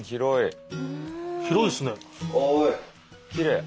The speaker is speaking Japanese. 広い。